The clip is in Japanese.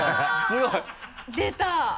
すごい！出た！